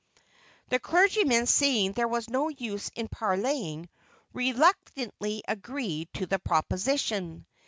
The clergyman seeing there was no use in parleying, reluctantly agreed to the proposition.